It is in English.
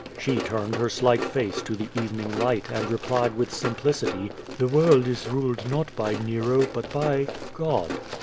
'' She turned her slight face to the evening light, and replied with simplicity: "The world is ruled not by Nero but by — God.''